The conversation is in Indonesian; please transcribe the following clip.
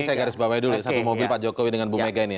saya garis bawah dulu satu mobil pak jokowi dengan bu mega ini ya